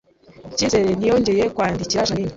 Cyizere ntiyongeye kwandikira Jeaninne